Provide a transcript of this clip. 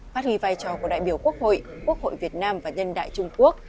phát huy vai trò của đại biểu quốc hội quốc hội việt nam và nhân đại trung quốc